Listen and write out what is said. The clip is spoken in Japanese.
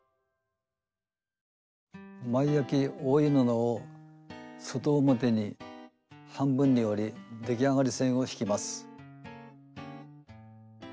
前あき覆い布を外表に半分に折り出来上がり線を引きます。